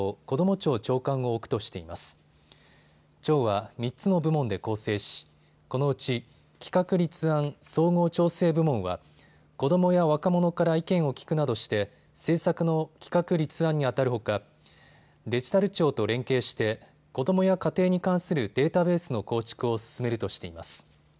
庁は３つの部門で構成しこのうち企画立案・総合調整部門は子どもや若者から意見を聴くなどして政策の企画立案にあたるほかデジタル庁と連携して子どもや家庭に関するデータベースの構築を進めるとしています。